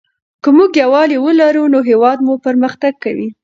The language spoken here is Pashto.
که موږ یووالي ولرو نو هېواد مو پرمختګ کوي.